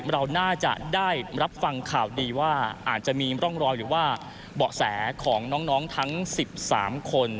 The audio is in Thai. เราน่าจะได้รับฟังข่าวดีว่าอาจจะมีร่องรอยหรือว่าเบาะแสของน้องทั้ง๑๓คน